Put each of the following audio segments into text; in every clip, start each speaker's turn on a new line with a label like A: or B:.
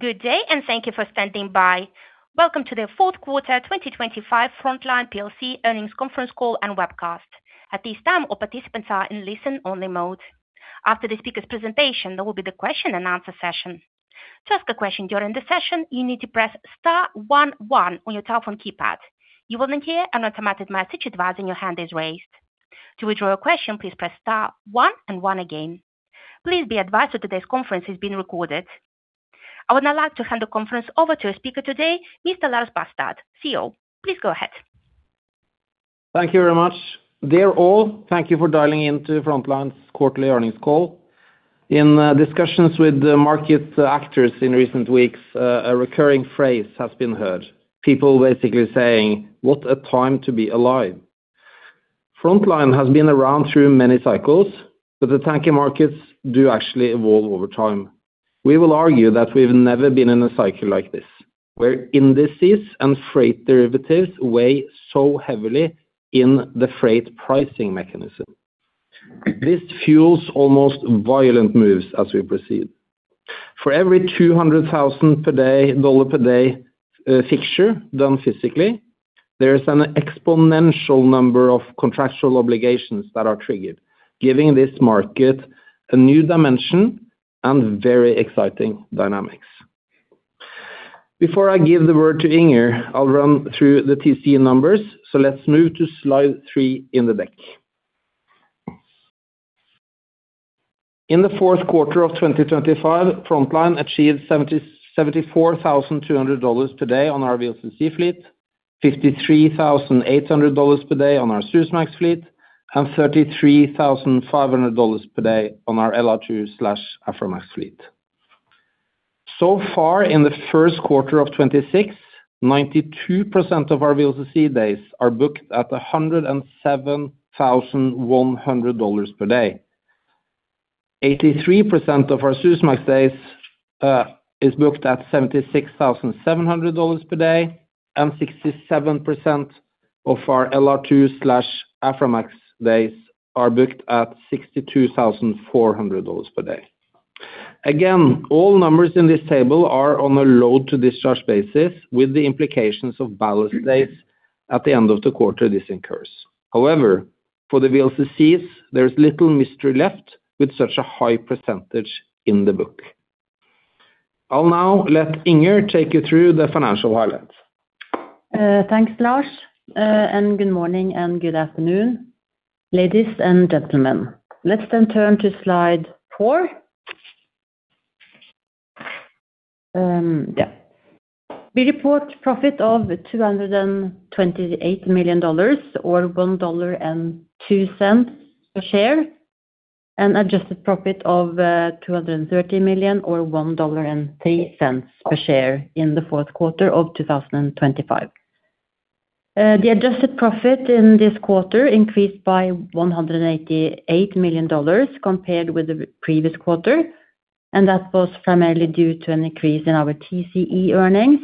A: Good day, and thank you for standing by. Welcome to the Fourth Quarter 2025 Frontline plc Earnings Conference Call and webcast. At this time, all participants are in listen-only mode. After the speaker's presentation, there will be the question and answer session. To ask a question during the session, you need to press star one on your telephone keypad. You will then hear an automatic message advising your hand is raised. To withdraw your question, please press star one and one again. Please be advised that today's conference is being recorded. I would now like to hand the conference over to our speaker today, Mr. Lars Barstad, CEO. Please go ahead.
B: Thank you very much. Dear all, thank you for dialing in to Frontline's quarterly earnings call. Discussions with the market actors in recent weeks, a recurring phrase has been heard. People basically saying, "What a time to be alive!" Frontline has been around through many cycles, the tanker markets do actually evolve over time. We will argue that we've never been in a cycle like this, where indices and freight derivatives weigh so heavily in the freight pricing mechanism. This fuels almost violent moves as we proceed. For every $200,000 per day fixture done physically, there is an exponential number of contractual obligations that are triggered, giving this market a new dimension and very exciting dynamics. Before I give the word to Inger, I'll run through the TCE numbers. Let's move to slide three in the deck. In the fourth quarter of 2025, Frontline achieved $74,200 per day on our VLCC fleet, $53,800 per day on our Suezmax fleet, and $33,500 per day on our LR2/Aframax fleet. So far in the first quarter of 2026, 92% of our VLCC days are booked at $107,100 per day. 83% of our Suezmax days is booked at $76,700 per day, and 67% of our LR2/Aframax days are booked at $62,400 per day. Again, all numbers in this table are on a load to discharge basis, with the implications of ballast days at the end of the quarter, this incurs. However, for the VLCCs, there is little mystery left with such a high percentage in the book. I'll now let Inger take you through the financial highlights.
C: Thanks, Lars, good morning, and good afternoon, ladies and gentlemen. Let's turn to slide four. Yeah. We report profit of $228 million or $1.02 per share, adjusted profit of $230 million, or $1.03 per share in the fourth quarter of 2025. The adjusted profit in this quarter increased by $188 million compared with the previous quarter, that was primarily due to an increase in our TCE earnings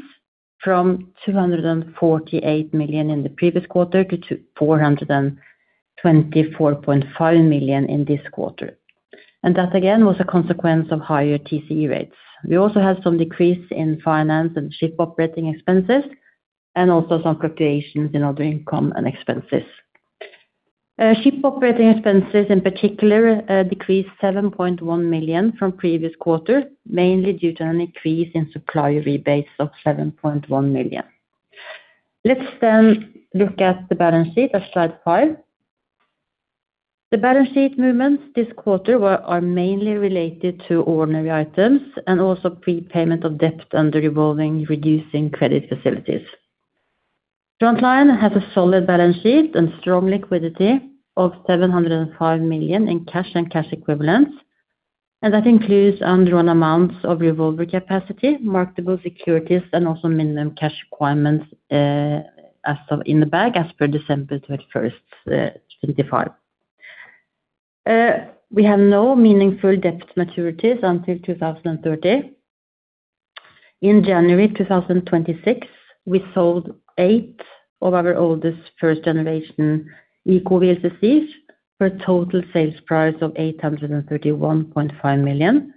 C: from $248 million in the previous quarter to $424.5 million in this quarter. That, again, was a consequence of higher TCE rates. We also had some decrease in finance and ship operating expenses, and also some fluctuations in other income and expenses. Ship operating expenses, in particular, decreased $7.1 million from previous quarter, mainly due to an increase in supplier rebates of $7.1 million. Look at the balance sheet at slide five. The balance sheet movements this quarter are mainly related to ordinary items and also prepayment of debt under revolving, reducing credit facilities. Frontline has a solid balance sheet and strong liquidity of $705 million in cash and cash equivalents, and that includes undrawn amounts of revolver capacity, marketable securities, and also minimum cash requirements, as of in the bag, as per December 31, 2025. We have no meaningful debt maturities until 2030. In January 2026, we sold eight of our oldest first-generation Eco VLCCs for a total sales price of $831.5 million.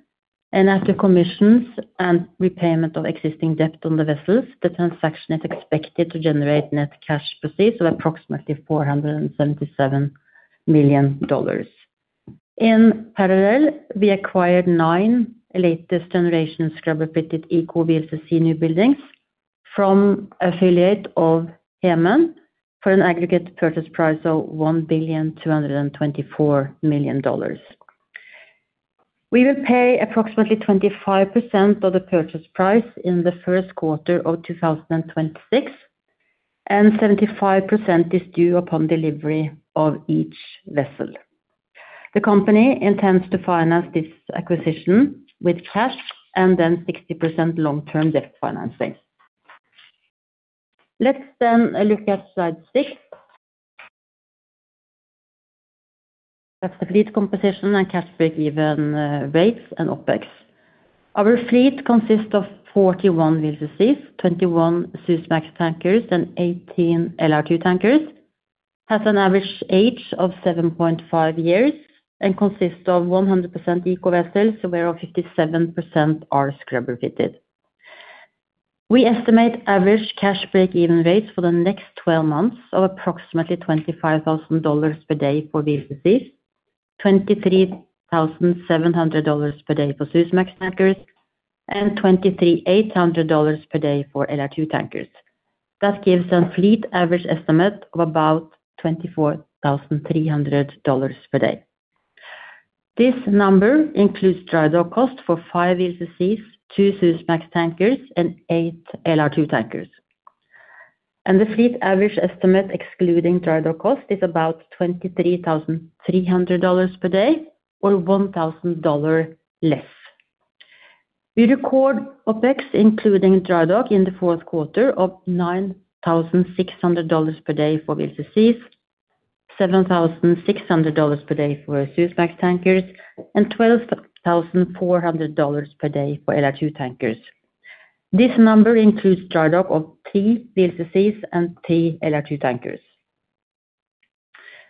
C: As the commissions and repayment of existing debt on the vessels, the transaction is expected to generate net cash proceeds of approximately $477 million. In parallel, we acquired nine latest generation scrubber-fitted Eco VLCC new buildings from affiliate of Hemen, for an aggregate purchase price of $1.224 billion. We will pay approximately 25% of the purchase price in the first quarter of 2026, and 75% is due upon delivery of each vessel. The company intends to finance this acquisition with cash and then 60% long-term debt financing. Let's then look at slide six. That's the fleet composition and cash break even rates and OpEx. Our fleet consists of 41 VLCCs, 21 Suezmax tankers, and 18 LR2 tankers. has an average age of 7.5 years and consists of 100% Eco vessels, whereof 57% are scrubber fitted. We estimate average cash break-even rates for the next 12 months of approximately $25,000 per day for VLCCs, $23,700 per day for Suezmax tankers, and $23,800 per day for LR2 tankers. That gives a fleet average estimate of about $24,300 per day. This number includes dry dock cost for five VLCCs, two Suezmax tankers, and eight LR2 tankers. The fleet average estimate, excluding dry dock cost, is about $23,300 per day or $1,000 less. We record OpEx, including dry dock, in the fourth quarter of $9,600 per day for VLCCs, $7,600 per day for Suezmax tankers, and $12,400 per day for LR2 tankers. This number includes dry dock of three VLCCs and three LR2 tankers.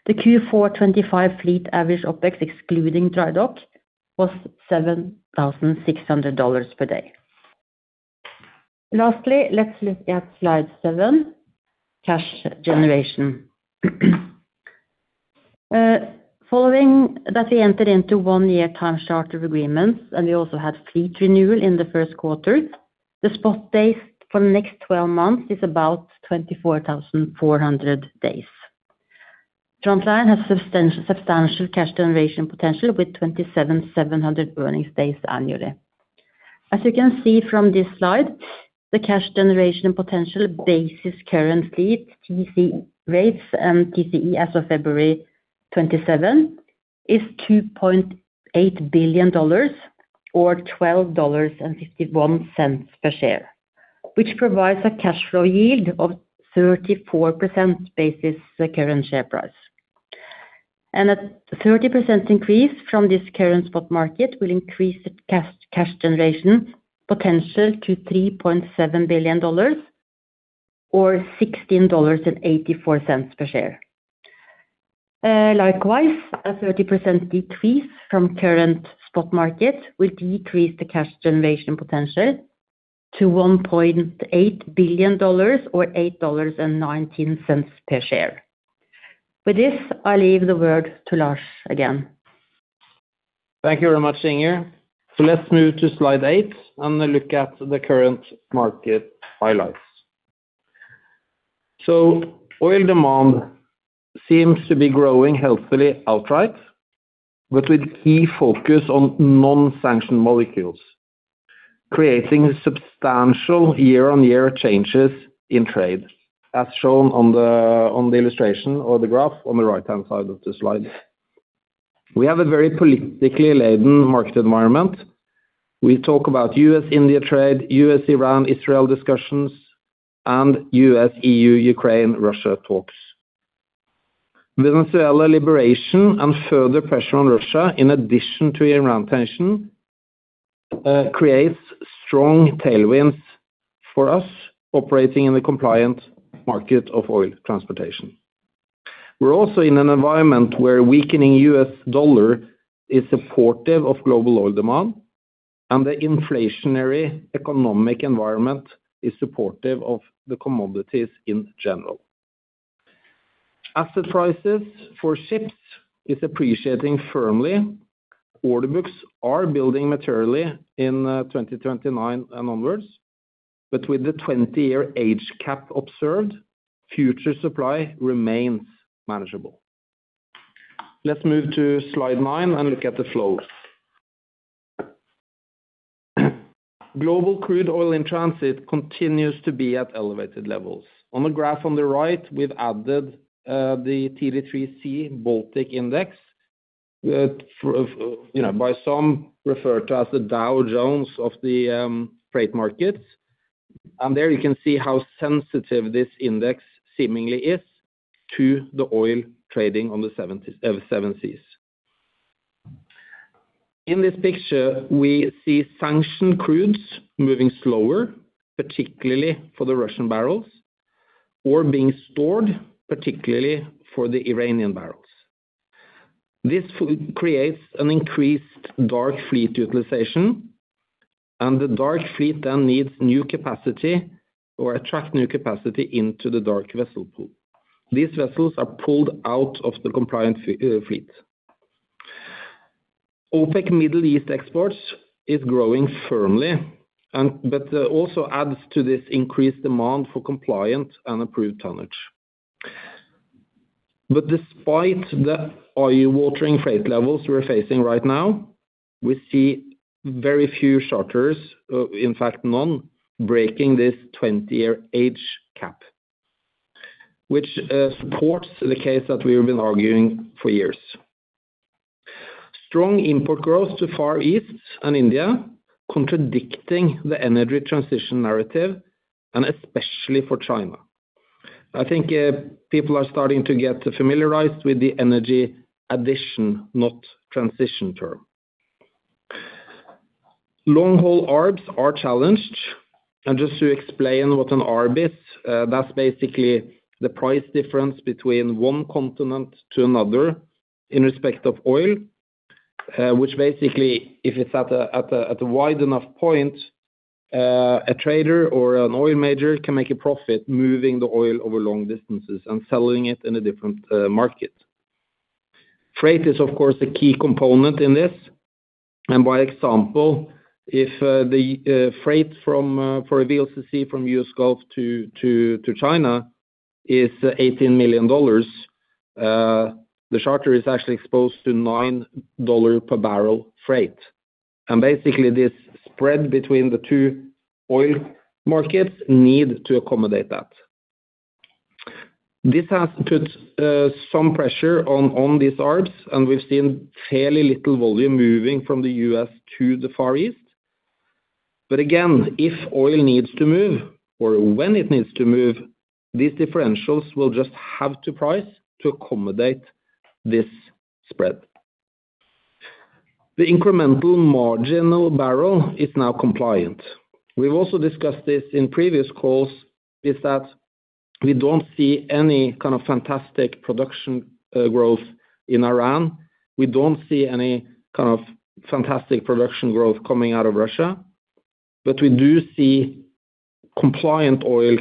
C: The Q4 2025 fleet average OpEx, excluding dry dock, was $7,600 per day. Lastly, let's look at slide seven, cash generation. Following that, we entered into one-year time charter agreements, and we also had fleet renewal in the first quarter. The spot days for the next 12 months is about 24,400 days. Frontline has substantial cash generation potential, with 27,700 earnings days annually. As you can see from this slide, the cash generation potential bases current fleet, TC rates, and TCE as of February 27, is $2.8 billion or $12.51 per share, which provides a cash flow yield of 34% bases the current share price. A 30% increase from this current spot market will increase the cash generation potential to $3.7 billion or $16.84 per share. Likewise, a 30% decrease from current spot market will decrease the cash generation potential to $1.8 billion or $8.19 per share. With this, I leave the word to Lars again.
B: Thank you very much, Inger. Let's move to slide eight and look at the current market highlights. Oil demand seems to be growing healthily outright, but with key focus on non-sanctioned molecules, creating substantial year-on-year changes in trade, as shown on the illustration or the graph on the right-hand side of the slide. We have a very politically laden market environment. We talk about U.S.-India trade, U.S.-Iran-Israel discussions, and U.S.-EU-Ukraine-Russia talks. Venezuela liberation and further pressure on Russia, in addition to Iran tension, creates strong tailwinds for us operating in the compliant market of oil transportation. We're also in an environment where weakening U.S. dollar is supportive of global oil demand, and the inflationary economic environment is supportive of the commodities in general. Asset prices for ships is appreciating firmly. Order books are building materially in 2029 and onwards, but with the 20-year age cap observed, future supply remains manageable. Let's move to slide nine and look at the flows. Global crude oil in transit continues to be at elevated levels. On the graph on the right, we've added the TD3C Baltic Index, for, you know, by some referred to as the Dow Jones of the freight markets. There you can see how sensitive this index seemingly is to the oil trading on the Seven Seas. In this picture, we see sanctioned crudes moving slower, particularly for the Russian barrels, or being stored, particularly for the Iranian barrels. This creates an increased dark fleet utilization, and the dark fleet then needs new capacity or attract new capacity into the dark vessel pool. These vessels are pulled out of the compliant fleet. OPEC Middle East exports is growing firmly also adds to this increased demand for compliant and approved tonnage. Despite the eye-watering freight levels we're facing right now, we see very few charters, in fact, none, breaking this 20-year age cap, which supports the case that we have been arguing for years. Strong import growth to Far East and India contradicting the energy transition narrative, and especially for China. I think people are starting to get familiarized with the energy addition, not transition term. Long haul arbs are challenged. Just to explain what an arb is, that's basically the price difference between one continent to another in respect of oil. Which basically, if it's at a wide enough point, a trader or an oil major can make a profit moving the oil over long distances and selling it in a different market. Freight is, of course, a key component in this, and one example, if the freight from for a VLCC from U.S. Gulf to China is $18 million, the charter is actually exposed to $9 per barrel freight. Basically, this spread between the two oil markets need to accommodate that. This has put some pressure on these arbs, and we've seen fairly little volume moving from the U.S. to the Far East. Again, if oil needs to move, or when it needs to move, these differentials will just have to price to accommodate this spread. The incremental marginal barrel is now compliant. We've also discussed this in previous calls, is that we don't see any kind of fantastic production growth in Iran. We don't see any kind of fantastic production growth coming out of Russia, but we do see compliant oil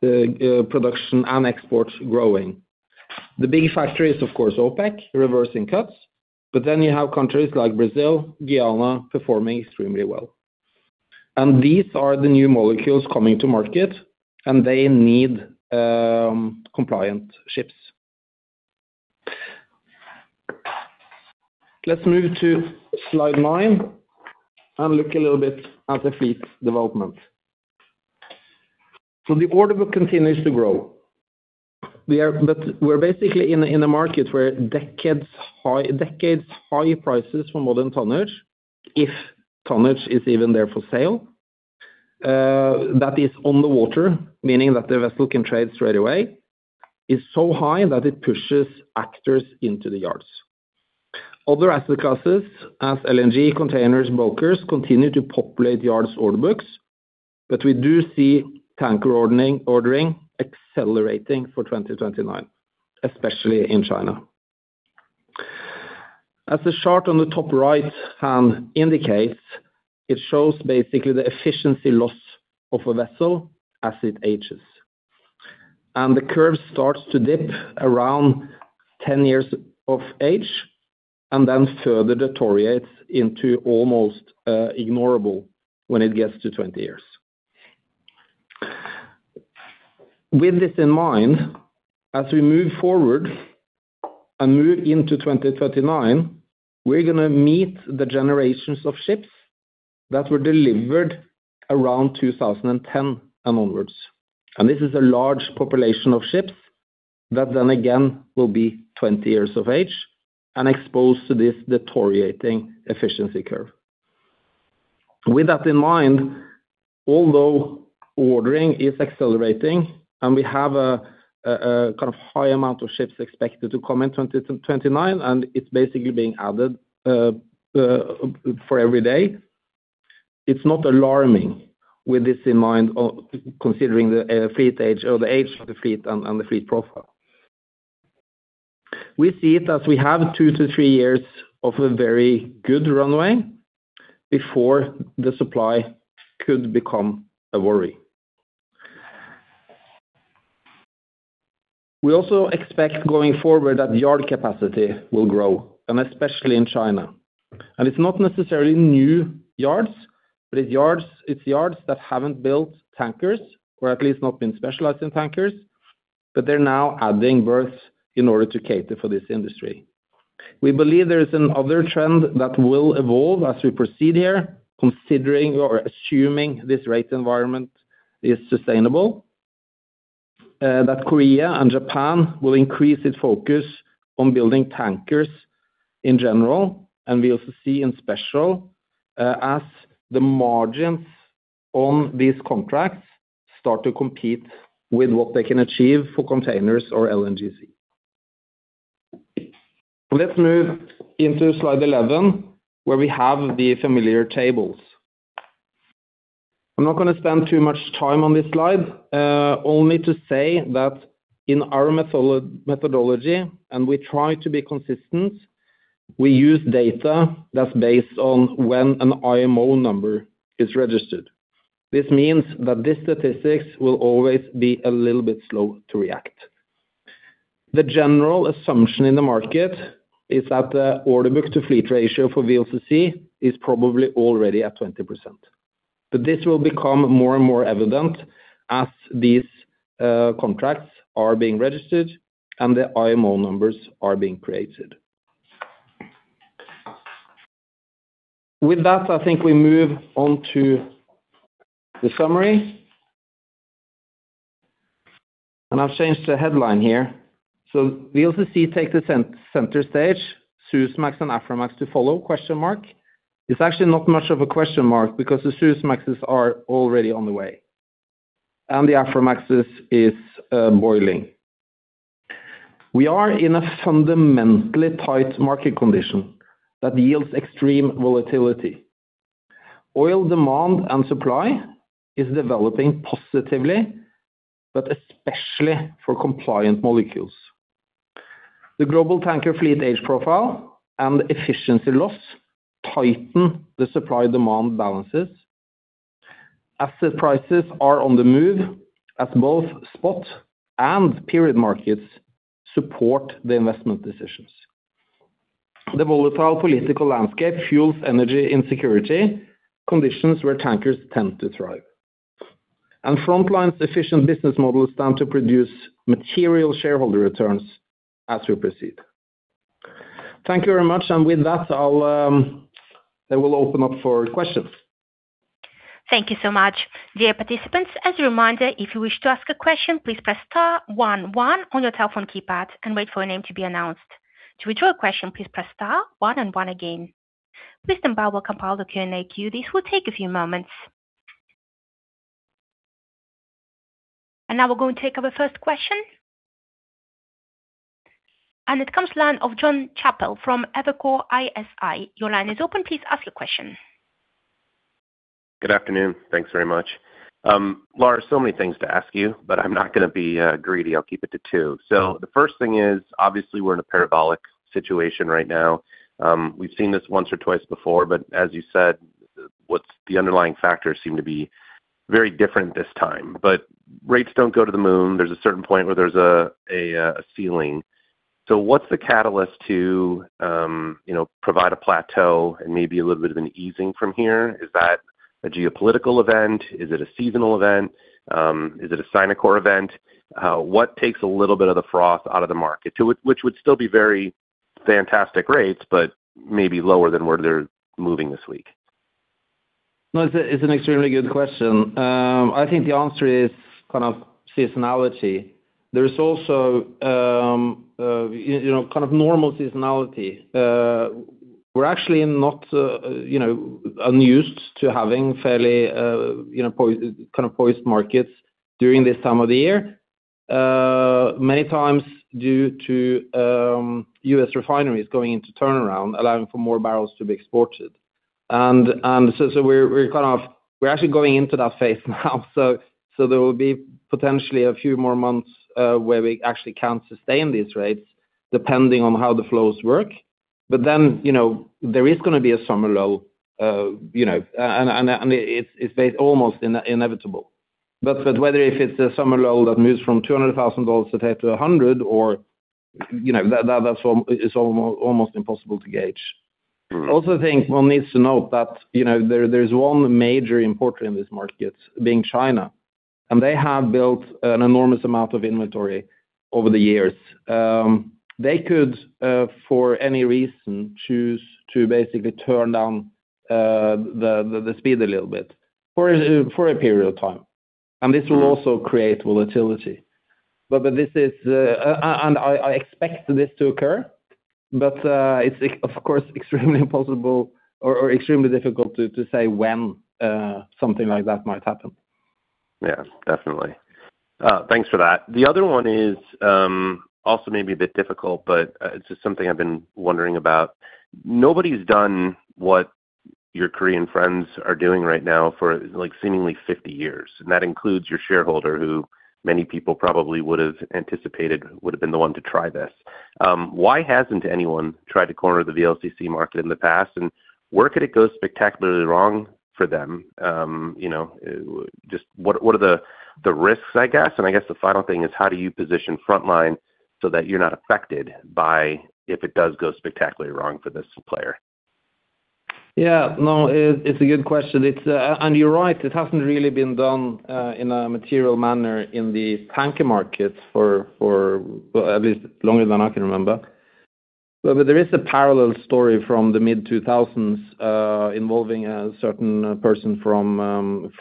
B: production and exports growing. The big factor is, of course, OPEC reversing cuts, but then you have countries like Brazil, Guyana, performing extremely well. These are the new molecules coming to market, and they need compliant ships. Let's move to slide nine and look a little bit at the fleet development. The order book continues to grow. We're basically in a market where decades high prices for modern tonnage, if tonnage is even there for sale, that is on the water, meaning that the vessel can trade straight away, is so high that it pushes actors into the yards. Other asset classes, as LNG, containers, bulkers, continue to populate yards order books. We do see tanker ordering accelerating for 2029, especially in China. As the chart on the top right hand indicates, it shows basically the efficiency loss of a vessel as it ages. The curve starts to dip around 10 years of age and then further deteriorates into almost ignorable when it gets to 20 years. With this in mind, as we move forward and move into 2039, we're gonna meet the generations of ships that were delivered around 2010 and onwards. This is a large population of ships, that then again, will be 20 years of age and exposed to this deteriorating efficiency curve. With that in mind, although ordering is accelerating and we have a kind of high amount of ships expected to come in 2029, and it's basically being added for every day, it's not alarming with this in mind, considering the fleet age or the age of the fleet and the fleet profile. We see it as we have two-three years of a very good runway before the supply could become a worry. We also expect, going forward, that yard capacity will grow, and especially in China. It is not necessarily new yards, but it is yards that have not built tankers, or at least not been specialized in tankers, but they are now adding berths in order to cater for this industry. We believe there is another trend that will evolve as we proceed here, considering or assuming this rate environment is sustainable, that Korea and Japan will increase its focus on building tankers in general. We also see in special, as the margins on these contracts start to compete with what they can achieve for containers or LNGCs. Let's move into slide 11, where we have the familiar tables. I am not going to spend too much time on this slide, only to say that in our methodology, and we try to be consistent, we use data that is based on when an IMO number is registered. This means that these statistics will always be a little bit slow to react. The general assumption in the market is that the order book to fleet ratio for VLCC is probably already at 20%, This will become more and more evident as these contracts are being registered and the IMO numbers are being created. With that, I think we move on to the summary. I've changed the headline here. VLCC take the center stage, Suezmax and Aframax to follow, question mark? It's actually not much of a question mark, because the Suezmaxes are already on the way, and the Aframaxes is boiling. We are in a fundamentally tight market condition that yields extreme volatility. Oil demand and supply is developing positively, especially for compliant molecules. The global tanker fleet age profile and efficiency loss tighten the supply-demand balances. Asset prices are on the move as both spot and period markets support the investment decisions. The volatile political landscape fuels energy insecurity, conditions where tankers tend to thrive. Frontline's efficient business model stand to produce material shareholder returns as we proceed. Thank you very much. With that, I'll open up for questions.
A: Thank you so much. Dear participants, as a reminder, if you wish to ask a question, please press star one one on your telephone keypad and wait for your name to be announced. To withdraw a question, please press star one and one again. Please stand by while we compile the Q&A queue. This will take a few moments. Now we're going to take our first question. It comes line of Jon Chappell from Evercore ISI. Your line is open. Please ask your question.
D: Good afternoon. Thanks very much. Lars, so many things to ask you, but I'm not gonna be greedy. I'll keep it to two. The first thing is, obviously, we're in a parabolic situation right now. We've seen this once or twice before, but as you said, what's the underlying factors seem to be very different this time. Rates don't go to the moon. There's a certain point where there's a ceiling. What's the catalyst to, you know, provide a plateau and maybe a little bit of an easing from here? Is that a geopolitical event? Is it a seasonal event? Is it a Sinopec event? What takes a little bit of the froth out of the market, to which would still be very fantastic rates, but maybe lower than where they're moving this week?
B: No, it's an extremely good question. I think the answer is kind of seasonality. There is also, you know, kind of normal seasonality. We're actually not, you know, kind of poised markets during this time of the year. Many times due to U.S. refineries going into turnaround, allowing for more barrels to be exported. We're kind of, we're actually going into that phase now. There will be potentially a few more months where we actually can sustain these rates, depending on how the flows work. You know, there is gonna be a summer lull, you know, and it's almost inevitable. Whether if it's a summer lull that moves from $200,000 a day to $100,000 or, you know, that's almost impossible to gauge.
D: Mm-hmm.
B: I also think one needs to note that, you know, there's one major importer in this market, being China, and they have built an enormous amount of inventory over the years. They could for any reason, choose to basically turn down the speed a little bit for a period of time.
D: Mm.
B: This will also create volatility. But this is. I expect this to occur, but it's of course, extremely impossible or extremely difficult to say when something like that might happen.
D: Definitely. Thanks for that. The other one is also maybe a bit difficult, but it's just something I've been wondering about. Nobody's done what your Korean friends are doing right now for, like, seemingly 50 years, and that includes your shareholder, who many people probably would have anticipated would have been the one to try this. Why hasn't anyone tried to corner the VLCC market in the past? Where could it go spectacularly wrong for them? You know, just what are the risks, I guess? I guess the final thing is, how do you position Frontline so that you're not affected by if it does go spectacularly wrong for this player?
B: Yeah. No, it's a good question. It's, you're right, it hasn't really been done in a material manner in the tanker markets for at least longer than I can remember. There is a parallel story from the mid-2000s involving a certain person from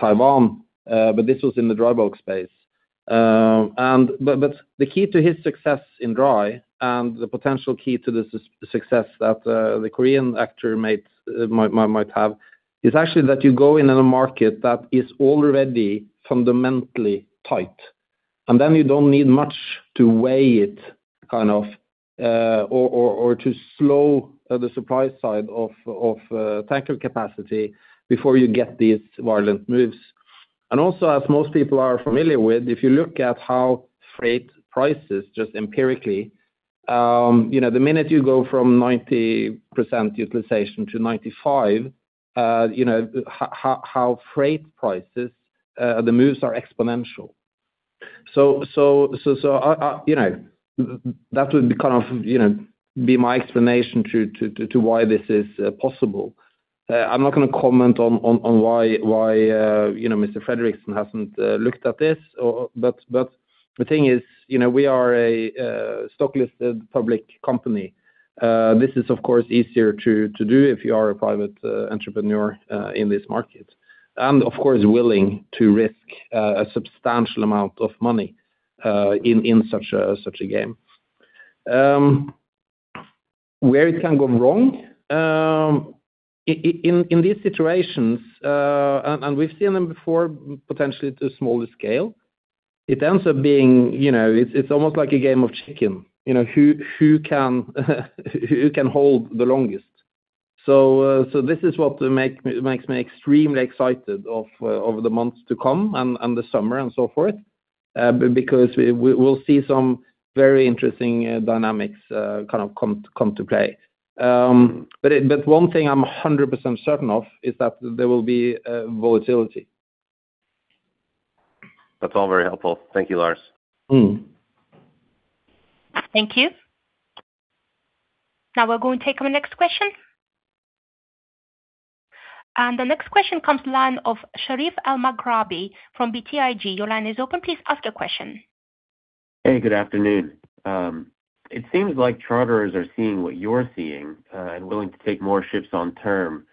B: Taiwan, this was in the dry bulk space. The key to his success in dry and the potential key to the success that the Korean actor might have, is actually that you go in a market that is already fundamentally tight, you don't need much to weigh it, kind of, or to slow the supply side of tanker capacity before you get these violent moves. As most people are familiar with, if you look at how freight prices just empirically, you know, the minute you go from 90% utilization to 95%, you know, how freight prices, the moves are exponential. You know, that would be kind of, you know, be my explanation to why this is possible. I'm not gonna comment on why, you know, Mr. Frederiksen hasn't looked at this or. The thing is, you know, we are a stock-listed public company. This is, of course, easier to do if you are a private entrepreneur in this market, and, of course, willing to risk a substantial amount of money in such a game. Where it can go wrong, in these situations, and we've seen them before, potentially to a smaller scale, it ends up being, you know, it's almost like a game of chicken. You know, who can hold the longest? This is what makes me extremely excited of over the months to come and the summer and so forth. We'll see some very interesting dynamics kind of come to play. One thing I'm 100% certain of, is that there will be volatility.
D: That's all very helpful. Thank you, Lars.
B: Mm.
A: Thank you. Now we're going to take our next question. The next question comes line of Sherif Elmaghrabi from BTIG. Your line is open, please ask your question.
E: Hey, good afternoon. It seems like charters are seeing what you're seeing, and willing to take more ships on term.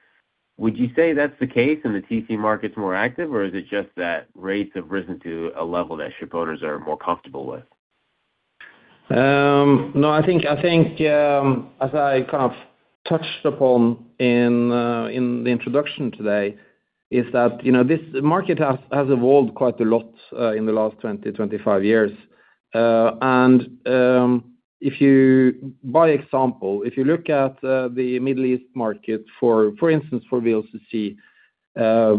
E: Would you say that's the case and the TC market's more active, or is it just that rates have risen to a level that ship owners are more comfortable with?
B: No, I think, as I kind of touched upon in the introduction today, is that, you know, this market has evolved quite a lot in the last 20-25 years. By example, if you look at the Middle East market, for instance, for VLCC,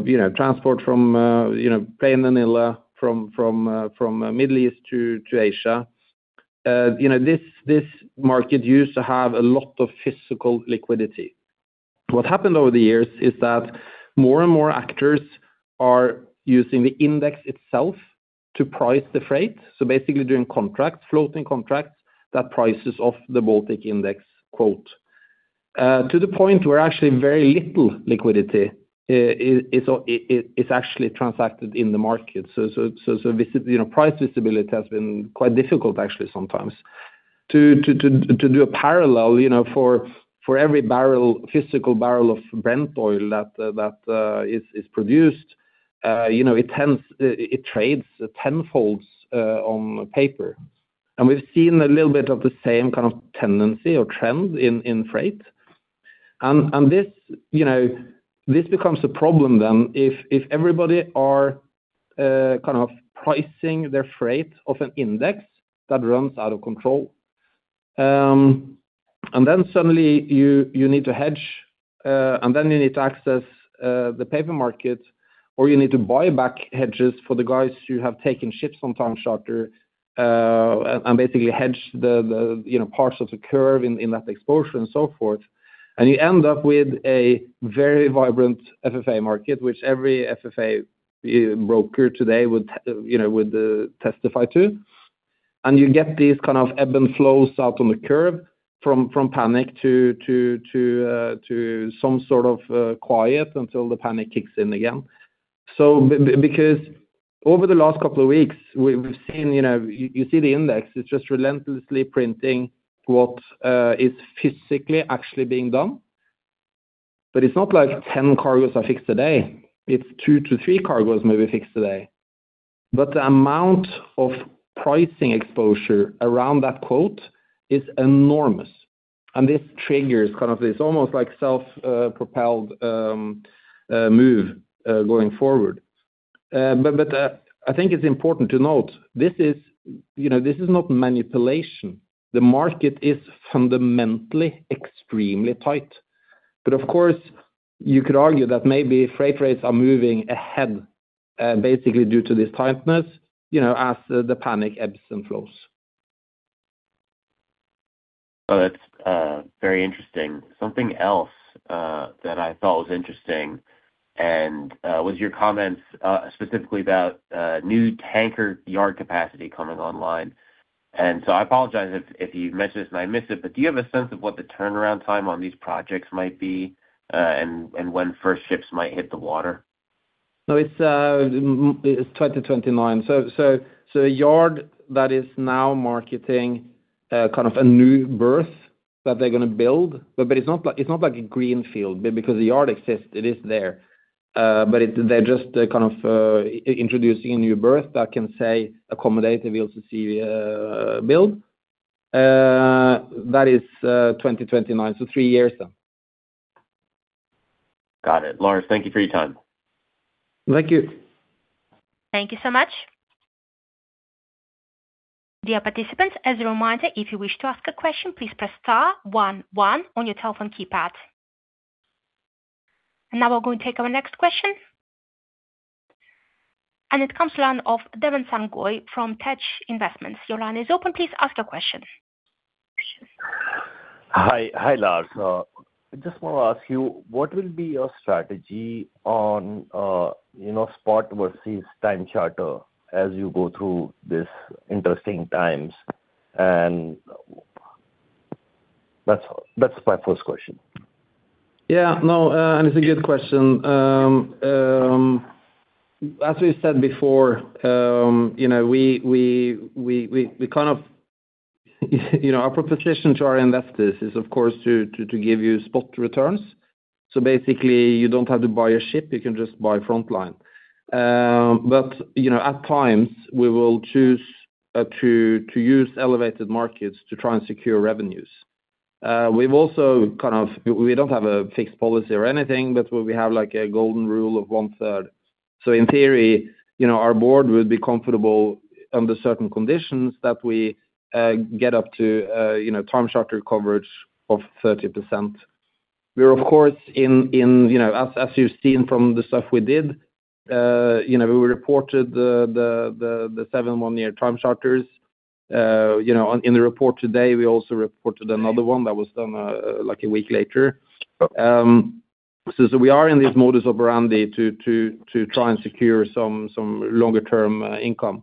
B: you know, transport from, you know, pay in Manila, from Middle East to Asia. You know, this market used to have a lot of physical liquidity. What happened over the years is that more and more actors are using the index itself to price the freight. Basically, doing contracts, floating contracts, that prices off the Baltic Index quote. To the point where actually very little liquidity is actually transacted in the market. Visit, you know, price visibility has been quite difficult, actually, sometimes. To do a parallel, you know, for every barrel, physical barrel of Brent oil that is produced, you know, it tends, it trades tenfolds on paper. We've seen a little bit of the same kind of tendency or trend in freight. This, you know, this becomes a problem then if everybody are kind of pricing their freight off an index that runs out of control. Then suddenly you need to hedge, and then you need to access the paper market, or you need to buy back hedges for the guys who have taken ships on time charter, and basically hedge the, you know, parts of the curve in that exposure and so forth. You end up with a very vibrant FFA market, which every FFA broker today would you know, testify to. You get these kind of ebb and flows out on the curve from panic to some sort of quiet until the panic kicks in again. Because over the last couple of weeks, we've seen, you know, you see the index, it's just relentlessly printing what is physically actually being done. It's not like 10 cargos are fixed today, it's two to three cargos maybe fixed today. The amount of pricing exposure around that quote is enormous, and this triggers kind of this almost like self-propelled move going forward. I think it's important to note, this is, you know, this is not manipulation. The market is fundamentally extremely tight. Of course, you could argue that maybe freight rates are moving ahead basically due to this tightness, you know, as the panic ebbs and flows.
E: Well, that's very interesting. Something else that I thought was interesting and was your comments specifically about new tanker yard capacity coming online. I apologize if you mentioned this and I missed it, but do you have a sense of what the turnaround time on these projects might be and when first ships might hit the water?
B: No, it's 2029. A yard that is now marketing kind of a new berth that they're going to build, but it's not like a greenfield. Because the yard exists, it is there. They're just kind of introducing a new berth that can say, accommodate the VLCC build. That is 2029, so three years now.
E: Got it. Lars, thank you for your time.
B: Thank you.
A: Thank you so much. Dear participants, as a reminder, if you wish to ask a question, please press star one one on your telephone keypad. Now we're going to take our next question. It comes line of Devin Sangoi from TEJ Investments. Your line is open, please ask your question.
F: Hi. Hi, Lars. I just want to ask you, what will be your strategy on, you know, spot versus time charter as you go through this interesting times? That's all. That's my first question.
B: Yeah, no, it's a good question. As we said before, you know, we kind of, you know, our proposition to our investors is of course, to give you spot returns. Basically, you don't have to buy a ship, you can just buy Frontline. You know, at times we will choose to use elevated markets to try and secure revenues. We've also kind of, we don't have a fixed policy or anything, but we have like a golden rule of one-third. In theory, you know, our board would be comfortable under certain conditions that we get up to, you know, time charter coverage of 30%. We are, of course, in, you know, as you've seen from the stuff we did, you know, we reported the seven one-year time charters. You know, in the report today, we also reported another one that was done like a week later. We are in these modus operandi to try and secure some longer term income.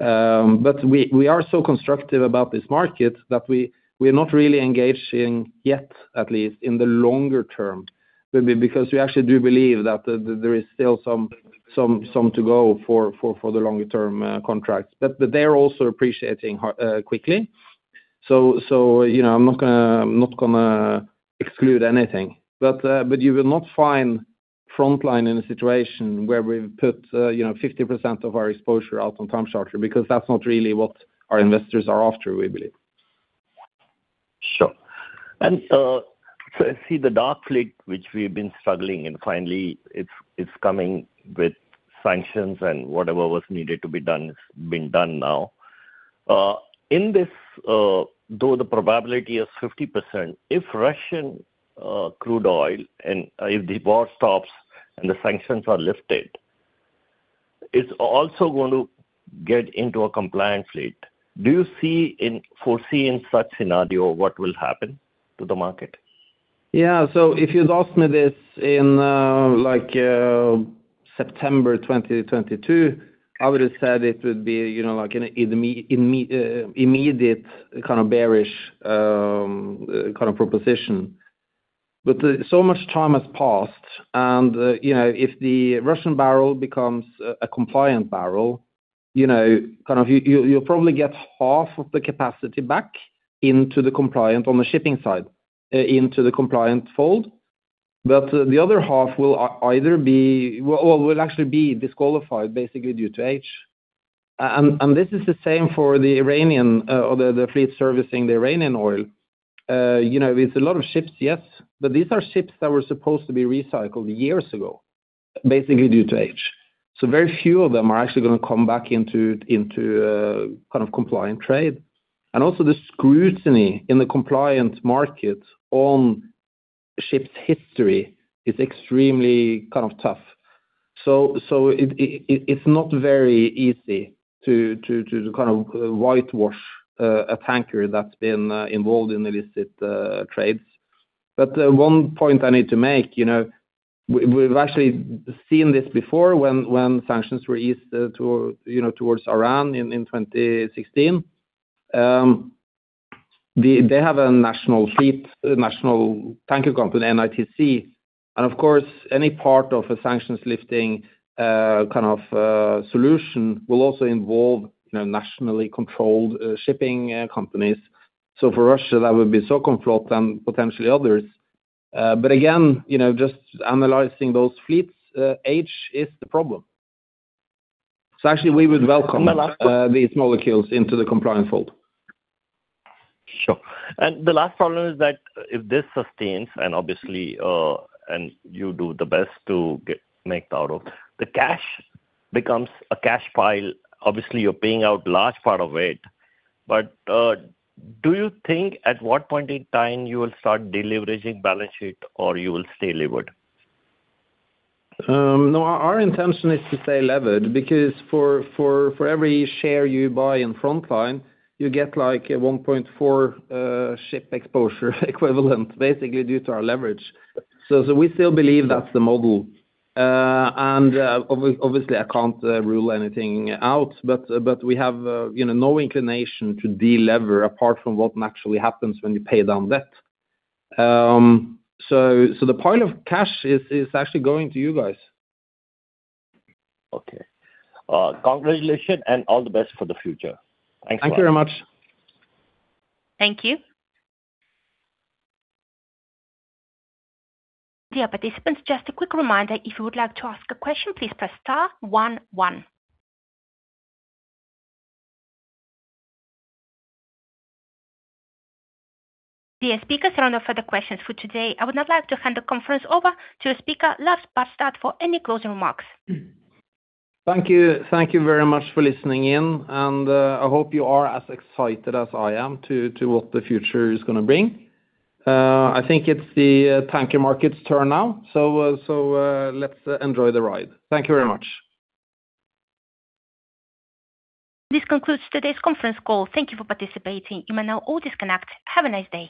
B: We are so constructive about this market that we're not really engaged in, yet at least, in the longer term. Because we actually do believe that there is still some to go for the longer term contracts. They're also appreciating quickly. You know, I'm not gonna exclude anything. You will not find Frontline in a situation where we've put, you know, 50% of our exposure out on time charter, because that's not really what our investors are after, we believe.
F: Sure. I see the dark fleet, which we've been struggling, and finally it's coming with sanctions and whatever was needed to be done has been done now. In this, though the probability is 50%, if Russian crude oil and if the war stops and the sanctions are lifted, it's also going to get into a compliant fleet. Do you foresee in such scenario what will happen to the market?
B: Yeah. If you'd asked me this in, like, September 2022, I would have said it would be, you know, like an immediate kind of bearish kind of proposition. So much time has passed and, you know, if the Russian barrel becomes a compliant barrel, you know, kind of you, you'll probably get half of the capacity back into the compliant on the shipping side, into the compliant fold. The other half will either be. Well, will actually be disqualified basically due to age. This is the same for the Iranian, or the fleet servicing the Iranian oil. You know, it's a lot of ships, yes, but these are ships that were supposed to be recycled years ago, basically due to age. Very few of them are actually gonna come back into kind of compliant trade. Also the scrutiny in the compliant market on ships history is extremely kind of tough. It's not very easy to kind of whitewash a tanker that's been involved in illicit trades. One point I need to make, you know, we've actually seen this before when sanctions were eased, to, you know, towards Iran in 2016. They have a national fleet, national tanker company, NITC, and of course, any part of a sanctions lifting, kind of solution will also involve, you know, nationally controlled shipping companies. For Russia, that would be Sovcomflot and potentially others. Again, you know, just analyzing those fleets, age is the problem. Actually we would welcome these molecules into the compliant fold.
F: Sure. The last problem is that if this sustains and obviously, and you do the best to make out of, the cash becomes a cash pile. Obviously, you're paying out large part of it, do you think at what point in time you will start deleveraging balance sheet or you will stay levered?
B: No, our intention is to stay levered because for every share you buy in Frontline, you get like a 1.4 ship exposure equivalent, basically due to our leverage. We still believe that's the model. And obviously, I can't rule anything out, but we have, you know, no inclination to delever apart from what naturally happens when you pay down debt. The point of cash is actually going to you guys.
F: Okay. Congratulations and all the best for the future. Thanks a lot.
B: Thank you very much.
A: Thank you. Dear participants, just a quick reminder, if you would like to ask a question, please press star one one. Dear speakers, there are no further questions for today. I would now like to hand the conference over to the speaker, Lars Barstad, for any closing remarks.
B: Thank you. Thank you very much for listening in. I hope you are as excited as I am to what the future is gonna bring. I think it's the tanker market's turn now, let's enjoy the ride. Thank you very much.
A: This concludes today's conference call. Thank you for participating. You may now all disconnect. Have a nice day.